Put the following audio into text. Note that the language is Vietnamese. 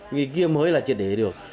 người kia mới là triệt để được